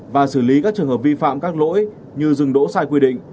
và xử lý các trường hợp vi phạm các lỗi như dừng đỗ sai quy định